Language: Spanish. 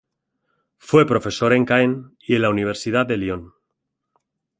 Fue profesor en Caen y en la universidad de Lyon.